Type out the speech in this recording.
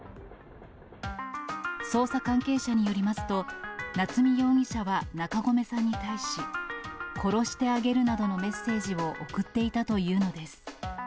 捜査関係者によりますと、夏見容疑者は中込さんに対し、殺してあげるなどのメッセージを送っていたというのです。